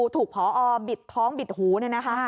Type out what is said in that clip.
ถูกพอบิดท้องบิดหูเนี่ยนะคะ